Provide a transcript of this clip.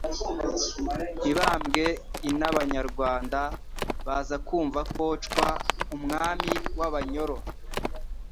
Mibambwe I n'Abanyarwanda baza kumva ko Cwa, umwami w'Abanyoro